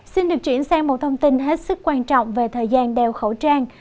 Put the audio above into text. xin được chuyển sang một thông tin hết sức quan trọng về thời gian đeo khẩu trang